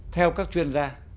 theo các chuyên gia